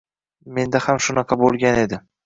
Menda ham shunaqa bo‘lgan edi.